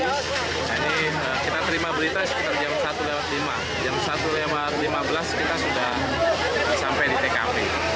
nah ini kita terima berita sekitar jam satu lewat lima jam satu lewat lima belas kita sudah sampai di tkp